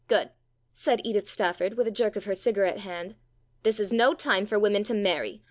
" Good," said Edith Stafford, with a jerk of her cigarette hand. " This is no time for women to marry.